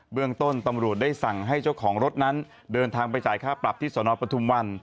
เรื่องต้นตำรวจได้สั่งให้เจ้าของรถนั้นเดินทางไปจ่ายค่าปรับที่สนปทุมวัน